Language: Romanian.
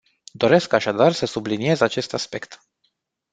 Doresc, așadar, să subliniez acest aspect.